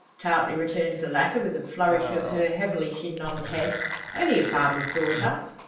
tartly returns the latter, with a flourish of her heavily chignoned head, "only a farmer's daughter."